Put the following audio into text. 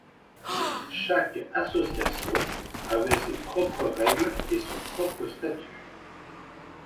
Chaque association avait ses propres règles et son propre statut.